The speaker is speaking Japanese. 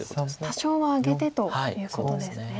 多少はあげてということですね。